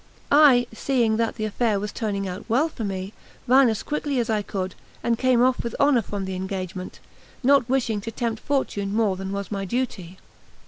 I, seeing that the affair was turning out well, for me, ran as quickly as I could, and came off with honour from the engagement, not wishing to tempt fortune more than was my duty.